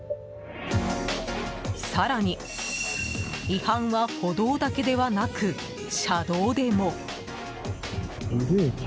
更に、違反は歩道だけではなく車道でも。